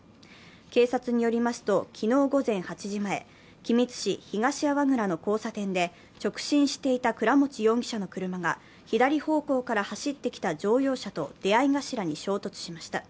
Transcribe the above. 警察によりますと、昨日午前８時前、君津市東粟倉の交差点で直進していた倉持容疑者の車が左方向から走ってきた乗用車と出会い頭に衝突しました。